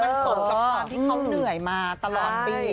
มันสมกับความที่เขาเหนื่อยมาตลอดปี